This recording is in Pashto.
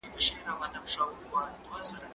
زه اجازه لرم چي انځورونه رسم کړم!؟